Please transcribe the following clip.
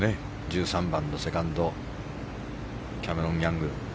１３番のセカンドキャメロン・ヤング。